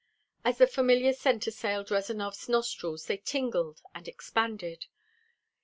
As the familiar scent assailed Rezanov's nostrils they tingled and expanded.